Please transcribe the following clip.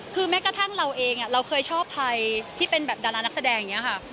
คือแม้กระทั่งเราเองเราเคยชอบใครที่เป็นแบบดารานักแสดงอย่างนี้ค่ะ